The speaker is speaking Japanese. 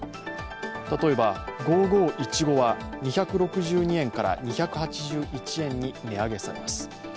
例えば５５イチゴは２６２円から２８１円に値上げされます。